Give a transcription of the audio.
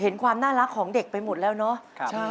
ความน่ารักของเด็กไปหมดแล้วเนาะ